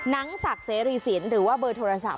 นังศักดิ์เสรีสินหรือว่าบริษัท